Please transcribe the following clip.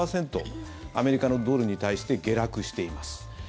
アメリカのドルに対して下落しています。